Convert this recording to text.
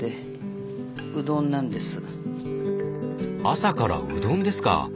朝からうどんですか。